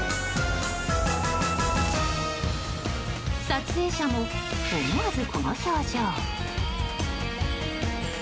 撮影者も思わずこの表情。